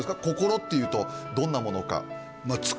心っていうとどんなものか